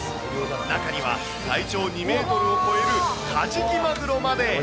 中には体長２メートルを超えるカジキマグロまで。